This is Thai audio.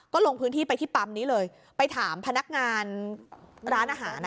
ก็ลงพื้นที่ไปที่ปั๊มนี้เลยไปถามพนักงานร้านอาหารอ่ะ